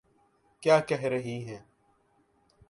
کیا کہہ رہی ہیں۔